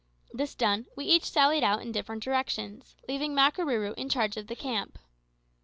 This done, we each sallied out in different directions, leaving Makarooroo in charge of the camp.